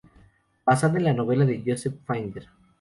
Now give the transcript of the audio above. Basada en la novela de Joseph Finder.